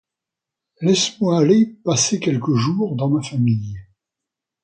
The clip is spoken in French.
Laisse-moi aller passer quelques jours dans ma famille !